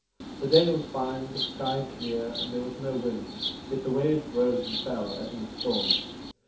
The day was fine, the sky clear, and there was no wind, yet the waves rose and fell as in a storm.